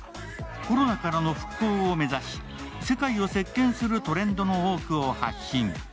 コロナからの復興を目指し世界を席けんするトレンドの多くを発信。